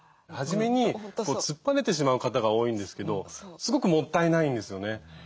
初めに突っぱねてしまう方が多いんですけどすごくもったいないんですよね。